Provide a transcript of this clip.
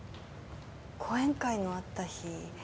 講演会のあった日。